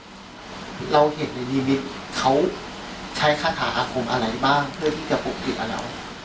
เราเห็นในชีวิตเขาใช้คาถาอาคมอะไรบ้างเพื่อที่จะปกปิดอะไร